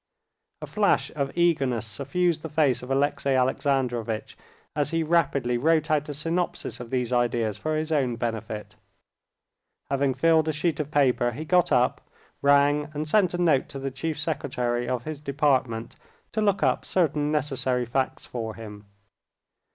A flash of eagerness suffused the face of Alexey Alexandrovitch as he rapidly wrote out a synopsis of these ideas for his own benefit. Having filled a sheet of paper, he got up, rang, and sent a note to the chief secretary of his department to look up certain necessary facts for him.